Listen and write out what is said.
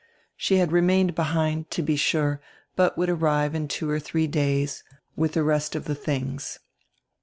She had remained behind, to be sure, but would arrive in two or diree days widi die rest of the tilings.